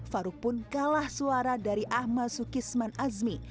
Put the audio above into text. faruk pun kalah suara dari ahmad sukisman azmi